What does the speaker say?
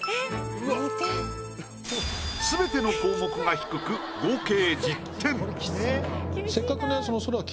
すべての項目が低く合計１０点。